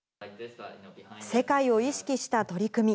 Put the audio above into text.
世界を意識した取り組み。